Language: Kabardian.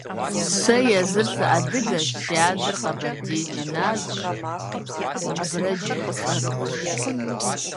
Сэ езыр сыадыгэщ, си адэр къэбэрдей джыназщ, абрэдж цӀэрыӀуэщ.